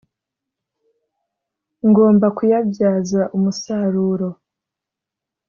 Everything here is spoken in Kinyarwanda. ngomba kuyabyaza umusaruro